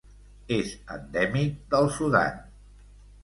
És endèmic del Sudan.